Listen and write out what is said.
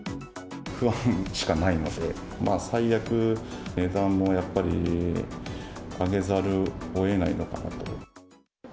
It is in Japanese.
不安しかないので、最悪、値段もやっぱり、上げざるをえないのかなと。